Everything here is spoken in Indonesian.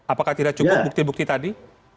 apakah tidak cukup bukti bukti tadi